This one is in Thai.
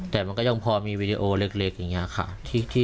แต่มันก็ยังพอมีวีดีโอเล็กอย่างนี้ค่ะ